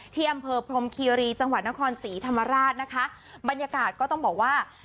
ที่อำเภอพรมคีรีจังหวัดนครศรีธรรมราชนะคะบรรยากาศก็ต้องบอกว่า